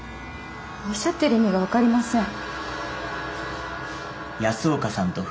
おっしゃっている意味が分かりません。